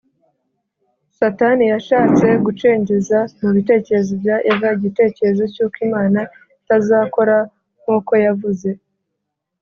Satani yashatse gucengeza mu bitekerezo bya Eva igitekerezo cy’uko Imana itazakora nkuko yavuze